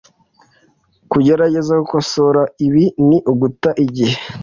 kugerageza gukosora ibi ni uguta igihe